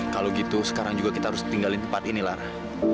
kalau gitu sekarang juga kita harus tinggalin tempat ini lara